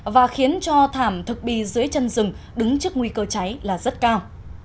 và khiến cho thảm thực bì dưới chân rừng đứng trước nguy cơ cháy là rất cao